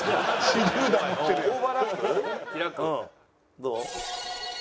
どう？